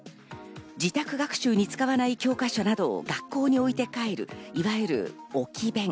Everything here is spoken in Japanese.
自宅学習に使わない教科書などを学校に置いて帰るいわゆる置き勉。